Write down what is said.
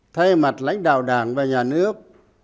thay mặt lãnh đạo đảng và nhà nước